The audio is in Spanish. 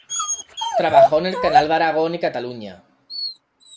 Trabajó en el Canal de Aragón y Cataluña.